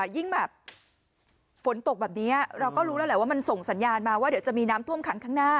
ยิ่งแบบฝนตกแบบนี้เราก็รู้แล้วแหละว่ามันส่งสัญญาณมาว่าเดี๋ยวจะมีน้ำท่วมขังข้างหน้า